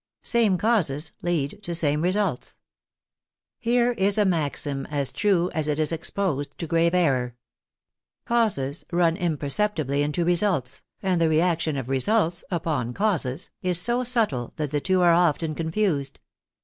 " Same causes lead to same results." Here is a maxim as true as it is exposed to grave error. " Causes " run imperceptibly into " results," and the reaction of " re sults " upon " causes " is so subtle that the two are often confused.